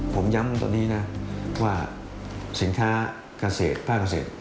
ผมย้ำตอนนี้นะว่าสินค้ากาเศษภาคกาเศษ